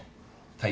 はい。